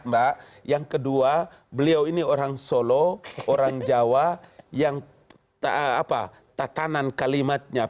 beliau sangat tahu pelihara